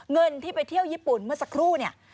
เงินที่ไปเที่ยวญี่ปุ่นเมื่อสักครู่เนี่ย